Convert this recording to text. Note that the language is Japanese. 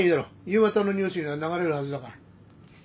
夕方のニュースには流れるはずだから。